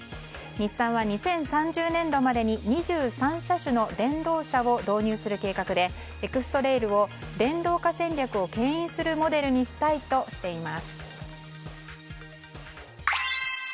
日産は２０３０年度までに２３車種の電動車を導入する計画でエクストレイルを電動化戦略を牽引するモデルにしたいとしています。